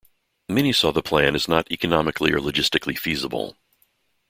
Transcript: Many saw the plan as not economically or logistically feasible.